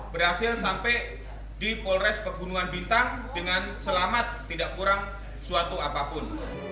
berhasil sampai di polres pegunungan bintang dengan selamat tidak kurang suatu apapun